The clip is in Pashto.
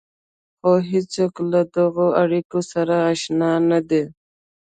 خو هېڅوک له دغو اړيکو سره اشنا نه دي.